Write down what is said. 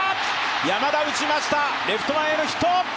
山田打ちましたレフト前へのヒット。